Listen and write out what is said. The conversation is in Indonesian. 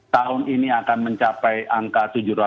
tahun ini akan mencapai angka tujuh ratus lima puluh